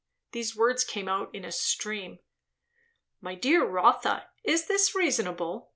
These words came out in a stream. "My dear Rotha, is this reasonable?